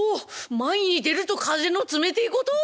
前に出ると風の冷てえこと」。